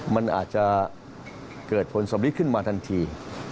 มันอาจจะเกิดผลสำริดขึ้นมาทันที